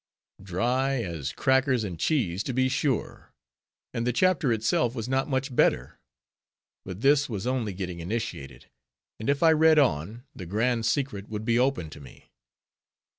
_ Dry as crackers and cheese, to be sure; and the chapter itself was not much better. But this was only getting initiated; and if I read on, the grand secret would be opened to me.